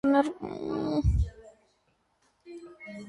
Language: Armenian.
քնա՞ծ է,- հարցրեց նա: